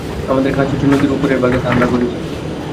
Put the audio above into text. আমাদের কাজ হচ্ছে নদীর ওপরের ভাগে, তা আমরা করেছি।